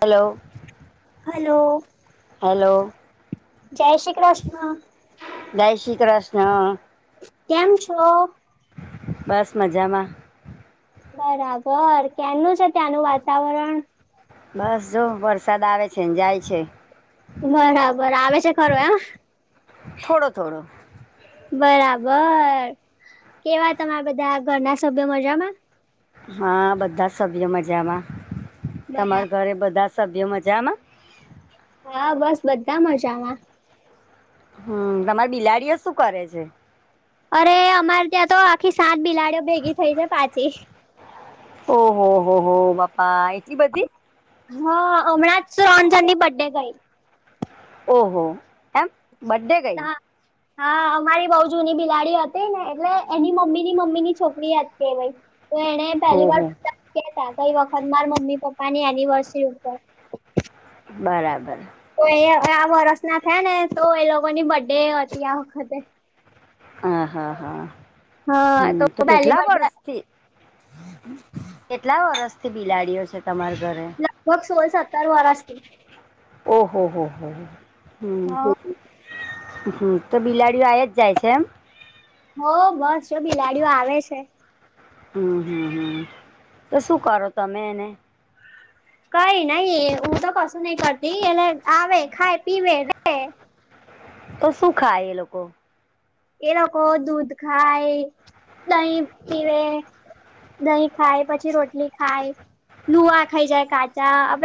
Hello hello hello. જય શ્રી કૃષ્ણ. જાય શ્રી કૃષ્ણ કેમ છો બસ મજામાં બરાબર કે્યાનું છે ત્યાંનું વાતાવરણ બસ જો વરસાદ આવેે છેને જાય છે બરાબર આવે છે ખરો એ થોડો થોડો બરાબર કેવા તમારા બધા ઘરના સભ્ય મજામાં હા બધા સભ્યો મજામાં તમારા બરાબર ઘરે બધા સભ્યો મજામાં હા બસ બધા મજામાં હમ તમારી બિલાડીઓ શું કરે છે અરે અમારે ત્યાં તો આખી સાત બિલાડીઓ ભેગી થઈ છે પાછી. ઓહ હો હો બાપા એટલી બધી. હા હમણાથ સુ રન્સની બડ ડે ગયી. ઓહો એમ બડે. હા. હા અમારી બઉ જૂની બિલાડી હતી ને એટલે એની મમ્મી ની મમ્મી ની છોકરી જ કે તો એને પહેલી ઓહો વારાતા કઈ વખત મા મમ્મી પપ્પાની એનિવર્સરી ઉપર. બરાબર તો એ આ વરષ ના થયા ને તો એ લોકોની બડ ડે હતી આ વખતે. આ હા હા હા હમ તો પહેલી કેટલા બર્થડે વર્ષ? કેટલા વરષથી બિલાડીઓ છે તમારા ઘરે? લગભગ સોલ સત્તર વરસતી. ઓહો હો હો હો હ હા હમ તો બિલાડીઓ આ જ જાય છે એમ. હો બસ જો બિલાડીઓ આવે છે. હમ હમ હમ તો શું કરો તમે એને? કઈ નહી હું તો કશું નઈ કરતી એટલે આવે ખાય, પીવે રે તો શું ખાય એ લોકો? એ લોકો દૂધ ખાય, દહી પીવે દહીં ખાય, પછી રોટલી ખાય. લુઆ ખાઈ જાય કાચા હ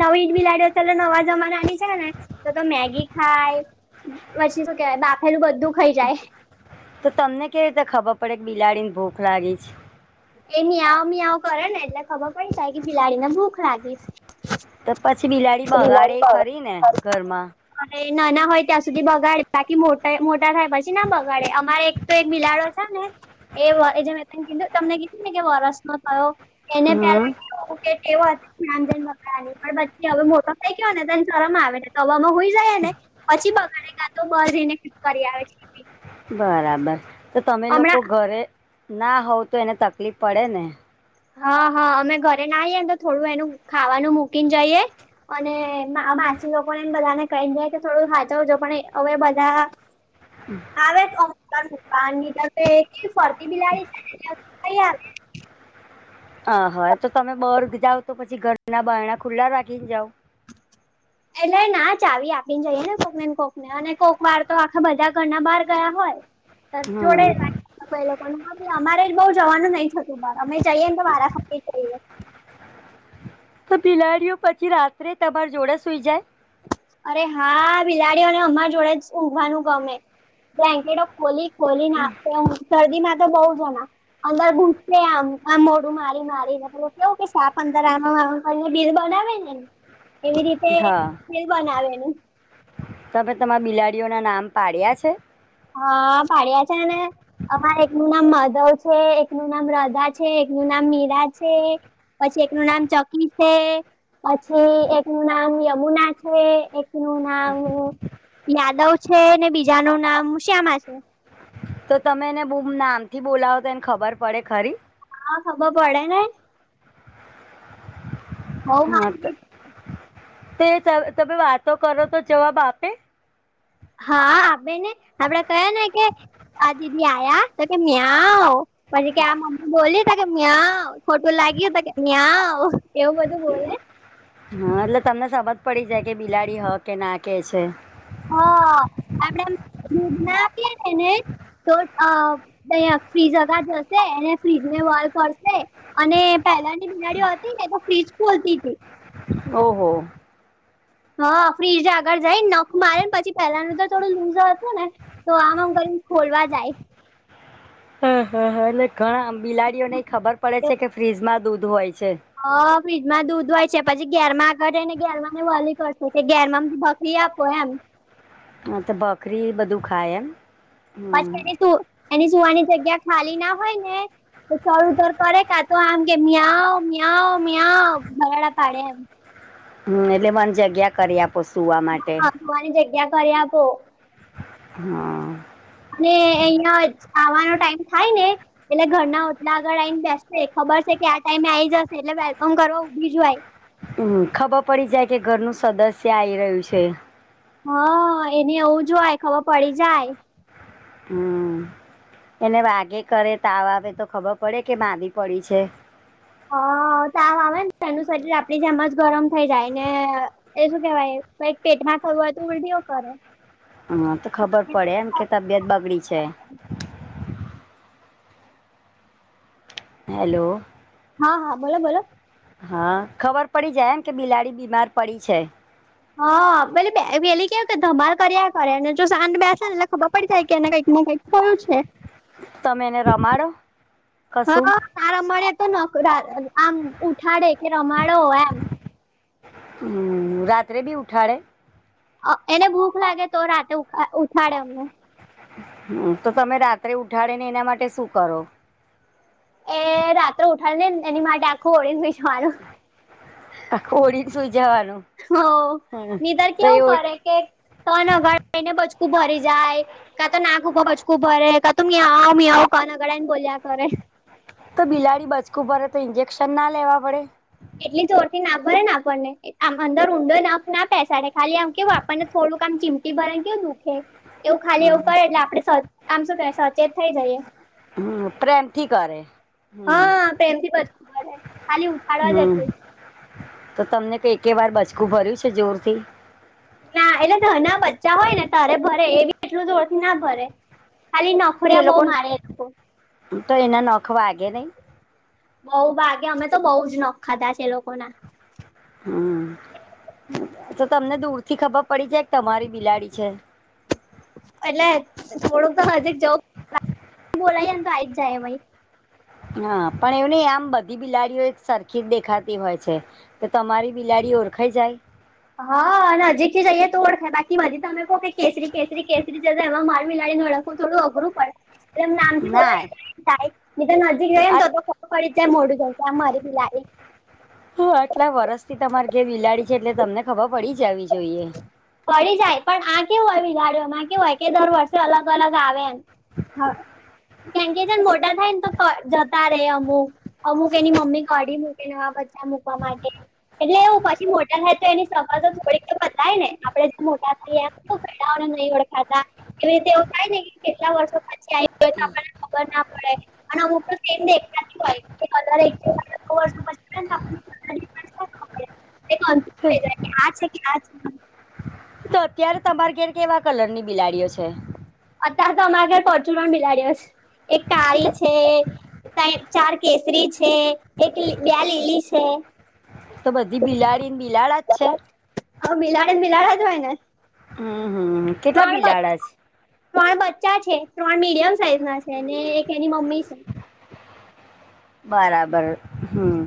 નવી ઈ બી લાડ્યોલે નવા જમાનાની છે ને તો તો મેગી ખાય પછી શું કેવાય બાફેલું બધું ખાઈ જાય. તો તમને કેવી રીતે ખબર પડે કે બિલાડી ભૂખ લાગી છે. એ મ્યાવ મીયાવ કરે ને એટલે ખબર પડી જાય કે બિલાડીને ભૂખ લાગી તો પછી બિલાડી બગાડે ખરી ને ઘરમાં? અરે નાના હોય ત્યાં સુધી બગાડે બાકી મોટા મોટા થાય પછી ના બગાડે અમારે તો એક બિલાડો છે, ને એ જે મે તન કીધુ તમને કીધું ને કે વરષનો થયો એને પેલા હમ કેવો કે હતી રામજન બકરાની પણ હવે મોટો થઈ ગયો ને તોને સરમ આવે ને તો હવામાં હુઈ જાય ને પછી બગાડે તો બ જઈને ફિટ કરી આવે છે. બરાબર તો તમે લોકો હમણાં ઘરે ના હોવ તો એને તકલીફ પડે ને? હા હા અમે ઘરે ના આયે ન તો થોડું એનું ખાવાનું મૂકીને જઈએ અને મા માસી લોકોને એમ બધાને કહીને જાય કે થોડું હાચવજો પણ હવે બધા [inaudible] આવે તો અમ પપ્પા નીર ફરતી બિલાડી છેને કઈ આવે હ હા તો તમે બર્ગ જાવ તો પછી ઘરના બાયણા ખુલ્લા રાખીને જાઓ? એટલે ના ચાવી આપીને જઈએ ને કોક ને કોક ને અને કોક વાર તો આખા બધા ઘરના બહાર ગયા હોય જોડે હમ [unintelligible] અમારે જ બો જવાનું નહી થ તુ અમે જઈએ ને તો વારા ફરતી જઈએ તો બિલાડીઓ પછી રાત્રે તમાર જોડા સુઈ જાય અરે હા બિલાડીઓને અમાર જોડે જ ઊંઘવાનું ગમે બ્લેન્કેટો ખોલી ખોલી [unintelligible] શરદી માં તો બોવ જમા અંદર ઘૂસસે આમ આમ મોડું મારી મારીને પેલુ કેવું કે સાપ અંદર આમાં આ કરીને બિલ બનાવે એવી રીતે હા બીલ બનાવેનુ તમે તમારા બિલાડીઓ ના નામ પાડ્યા છે? હા પાડિયા છે, ને અમારે એકનું નામ માધવ છે, એકનું નામ રાધા છે, એકનું નામ મીરા છે. પછી એકનું નામ ચકી છે. પછી એકનું નામ યમુના છે, એકનું નામ યાદવ છે, ને બીજાનું નામ શ્યામા છે. તો તમે એને બોમ નામથી બોલાવો તો એને ખબર પડે ખરી? હા ખબર પડે ને બઉ હા મારી ત દીદી. તે તમે તમે વાતો કરો તો જવાબ આપે? હા આપેને આપડે કયે ને કે આ દીદી આયા તો કે મીયાવ આવ પછી કે આ મમ્મી બોલી ત કે મ્યાંવ ખોટું લાગ્યું ત કે મ્યાંવ એવું બધું બોલે હ એટલે તમને સમજ પડી જાય કે બિલાડી હ કે ના કે છે. હ આપડે આમ દુધના આપીએ ને એને તો અ અયા ફ્રીજ અગાર જશે અને ફ્રીજ ને વાલ કરશે અને પેલાની બિલાડીઓ હતી ને તો ફ્રીજ ખોલતી તી ઓહો. હ ફ્રીજ આગળ જયને નખ મારે પછી પેહેલાનું તો થોડું લુઝ હતું ને તો આમ આમ કરીન ખોલવા જાય હ હ હા એટલે ઘણા બિલાડીઓને ખબર પડે છે, કે ફ્રીજમાં દૂધ હોય છે. હ ફ્રીજમાં દૂધ હોય છે, પછી ઘેરમાં આગળ ને ધેર માં ને વલી કરશે કે ઘેરમાં [unintelligible] પી આપો એમ હ તો બકરી બધું ખાય એમ હમ. પાછડી સુ એની એની સુવાની જગ્યા ખાલી ના હોય ને તો ચળ ઉતર કરે કા તો આમ કે મ્યાવ મ્યાવ મ્યાવ બરાડા પાડે એમ હ એટલે મન જગ્યા કરી આપો સુવા માટે મને જગ્યા કર આપો હા. ને અહિયાં આવાનો ટાઈમ થાય ને એટલે ઘરના ઓટલા આગળ આવીઈને બેસશે ખબર છે કે આ ટાઈમે આવી જશે એટલે વેલકમ કરો ઊભી જય. હમ ખબર પડી જાય કે ઘરનું સદસ્ય આઈ રહ્યું છે. હા એને એવું જો હોય ખબર પડી જાય. હમ, એને વાગે કરે તાવ આવે તો ખબર પડે કે બાંધી પડી છે? હ તો આ આવે ને એનુંસરીર આપડી જેમ જ ગરમ થઇ જાય ને એ શું કેવાય પેટમાં થવું હોય તો ઉલઢ કરે. હા તો ખબર પડે એમ કે તબિયત બગડી છે. હેલો. હા હા બોલો બોલો. હા ખબર પડી જાય એમ કે બિલાડી બીમાર પડી છે. હા પે પેલી કેવું કે ધમાલ કર્યા કરેને જો સાંજ બે છે ને એટલે ખબર પડી જાય કેને કઈક કઈ થયું છે. તમે એને રમાડો કશું? આ રમાડે તો ન આમ ઉઠાડે કે રમાડો હો એમ. રાત્રે બી ઉઠાળે? એને ભૂખ લાગે તો રાતે ઉછાડે અમને. હમ તો તમે રાત્રે ઉઠાડે ને એના માટે શું કરો? એ રાત્રે ઉઠાડીનેને એની માટે આખું ઓળીને જવાનું. આ કોળીને સુું જવાનું. હ હમ નિધર તો કેવું એ કરે કે તન અગાડને બચકું ભરી જાય. કા તો નાકૂબ પચકું ભર ક તું આવ મી આવો કનગળ ને બો્યા કરે. તો બિલાડી બચકું પડે તો ઇન્જેક્શન ના લેવા પડે? એટલી જોર થી ના ભરે ને આપણને. આમ અંદર ઊંડો નખ ના પેસાડે ખાલી આમ કેવું આપણને થોડુંક આમ ચીમટી ભરાને કેવું દુઃખે. એવું ખાલી એવું કરે હમ એટલે આપડે આમ શું કે સચેત થઈ જઈએ. હમ, પ્રેમથી કરે. હ, હમ પ્રેમથી બધુ કરે, ખાલી ઉઠાડવા હમ, જેટલું તો તમને એકે વાર બચકું ભર્યું છે જોર થી? ના, એટલે ઘના બચ્ચા હોય ને, તારે ભરે એ બી એટલું જોરથી ના ભરે. ખાલી ન તો એ લોકો ન તો એના નખ વાગે નહી. બઉ ભાગે અમે તો બઉ જ નખ ખાધા છે એ લોકો ના. હમ્મ. તો તમને દૂર થી ખબર પડી જાય કે, તમારી બિલાડી છે? એટલે થોડુંક તો નજીક જવું જ બોલાવી લઈ ને તો આયી જ જાય, એવાઈ. હા. પણ એવું નહી, આમ બધી બિલાડીઓ એક સરખી જ દેખાતી હોય છે. તો તમારી બિલાડી ઓળખાઈ જાય? હા નજીક થી જઈએ તો ઓળખાય બાકી બાજી તમે કો કે કેસરી-કેસરી-કેસરી જ એમાં માર મીલાડીને નડ. થોડું અઘરું પડે. એટલે અમે નામથી ના બોલાય એ તો નજીક જઈને તો તો ખબર પડી જ જાય મોઢું જોઈ ત આ મારી બિલાડી. હ આટલા વરસથી તમારે ઘેરા બિલાડી છે એટલે તમને ખબર પડી જવી જોઈએ પડી જાય. પણ આ કેવું હોય, બિલાડીઓમાં કે હોય કે દર વર્ષે અલગ અલગ આવે એમ. હા. કેમ કે જેમ મોટા થાય ને તો જતા રે અમુક. અમુક એની મમ્મી કાઢી મૂકે. નવા બચ્ચા મૂકવા માટે. એટલે એવું, પછી મોટા થાય તો એની સફાજત થાય ને આપડે જે મોટા થયા એમ ઘરડાઓને નહી ઓળખાતા. એવી રીતે એવું થાય ને કે, કેટલા વર્ષો પછી આયી ગઈને ને આપણને ખબર ના પડે. અને અમુક તો સેમ દેખાતી હોય. કોઈક વધારે અ આ છે કે આ જ. તો અત્યારે તમારે ઘેર કેવા કલર ની બિલાડીઓ છે? અત્યારે તો અમારા ઘર પરચુરન પણ બિલાડી્યો છે. એક કાળી કે છે. તય ચાર કેસરી છે, એક બે લીલી છે. તો બધી બિલાડીને બિલાડા જ છે? હ બિલાડીને બિલાડા જ હોય ને. હમ હમ કેટલા ત્રણ બ બિલાડા છે? ત્રણ બચ્ચા છે, ત્રણ મીડિયમ સાઈઝના છે, ને એક એની મમ્મી છે. બરાબર હમ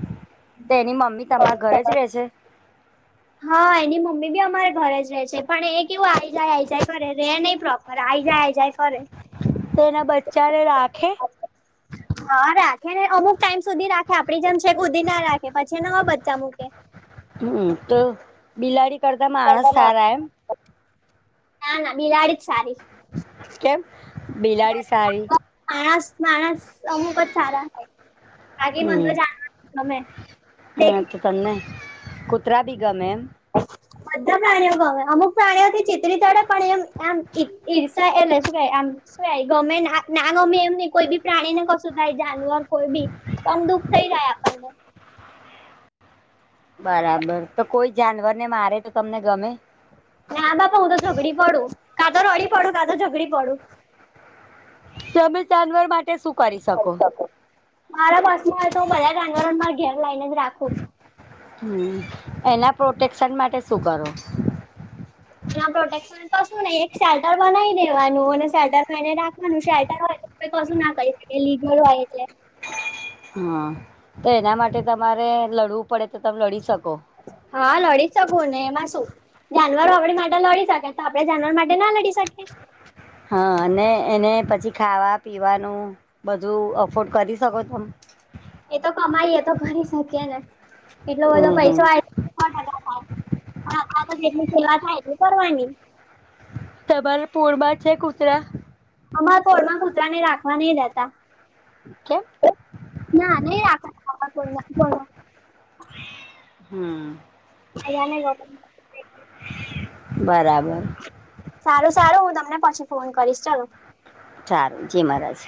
તો એની મમ્મી તમારા ઘરે જ રે છે? હહ એની મમ્મી બી અમારે ઘરે જ રહે છે. પણ એ કેવું આઈ જાય આઈ જાય કરે રે નહીં પ્રોપ પર આઈ જાય, આઈ જાય કરે. તો એના બચ્ચાને રાખે? હા રાખે ને અમુક ટાઈમ સુધી રાખે આપડી જેમ છેક હુધી ના રાખે પછી નો બચ્ચા મૂકે. હમ તો બિલાડી કરતા માણસ સારા એમ? ના ના બિલાડી જ સારી. કેમ બિલાડી સારી? માણસ માણસ અમુક જ સારા હોય. બાકી મન હમ તો જાવાનું જ ગમે. હા ડેલી તો તમને કુતરા બી ગમે એમ? બધા પ્રાણીઓ ગમે અમુક પ્રાણીઓથી ચિતરી ચડે પણ એમ આમ ઈર્ષા, એટલે શું કેવાય આમ શું એ ગમે ના નાનો બી એમની કોઈ બી પ્રાણીને કશું થાય જાનવર કોઈ બી કમ દુઃખ થઈ જાય આપણને. બરાબર તો કોઈ જાનવરને મારે તો તમને ગમે? ના બાપા હું તો ઝઘડી પડું, કા તો રડી પડું, કા તો ઝઘડી પડું. તમે જાનવર માટે શું કરી શકો? મારા બસમાં હોય તો, હું બધા જાનવરોને મારા ઘેર લાઈને જ રાખું. હમ એના પ્રોટેક્શન માટે શું કરો? તેના પ્રોટેક્શન કશુ નહી એક શેટર બનાઈ દેવાનું અને શેટરમાં એને રાખવાનું શેટર હોય તો કશું ના કહી શકી લીગલ હોય એટલે. હહ તો એના માટે તમારે લડવું પડે તો તમે લડી શકો? હા લડી શકું ને એમાં શું. જાનવરો આપણી માટે લડી શકે તો આપડે જાનવર માટે ના લડી શકીએ? હહ અને એને પછી ખાવા પીવાનું બધું અફોર્ડ કરી શકો તમે? એ તો કમાઈ એતો કરી શકીએ ને એટલો બધો હમ હમ પૈસો આય સો ટકા થાય હા આતો જેટલી સેવા થાય એટલી કરવાની. તમાર પૂરમાં છે કુતરા? અમાર પોળમાં કૂતરાને રાખવા નહી દેતા. કેમ? ના નહીં રાખવા દેતા અમારા પોળના [inaudible] હમ બધાને ગમે નો બરાબર સારું સારું હું તમને પછી ફોન કરીશ ચલો. સારું જી મારાજ.